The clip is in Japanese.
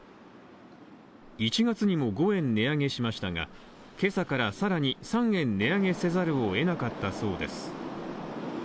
１月にも５円値上げしましたが今朝から更に３円値上げせざるをえなかったそうです。